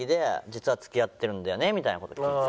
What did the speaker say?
実は付き合ってるんだよねみたいな事。